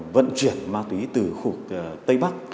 vận chuyển mặt túy từ khu vực tây bắc